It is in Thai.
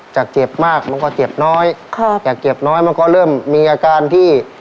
เจ็บมากมันก็เจ็บน้อยค่ะจากเจ็บน้อยมันก็เริ่มมีอาการที่